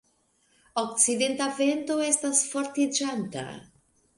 Okcidenta vento estis fortiĝanta.